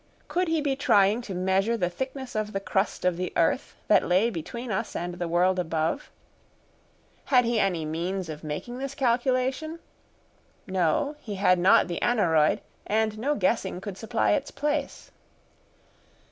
Could he be trying to measure the thickness of the crust of the earth that lay between us and the world above? Had he any means of making this calculation? No, he had not the aneroid, and no guessing could supply its place.